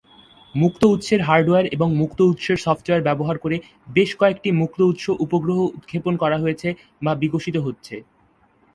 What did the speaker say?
মুক্ত উৎসের হার্ডওয়্যার এবং মুক্ত উৎসের সফ্টওয়্যার ব্যবহার করে বেশ কয়েকটি মুক্ত উৎস উপগ্রহ উৎক্ষেপণ করা হয়েছে বা বিকশিত হচ্ছে।